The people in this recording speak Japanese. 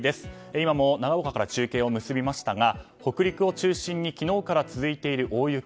今も長岡から中継を結びましたが北陸を中心に昨日から続いている大雪。